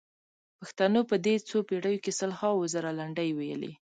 پښتنو په دې څو پېړیو کې سلهاوو زره لنډۍ ویلي.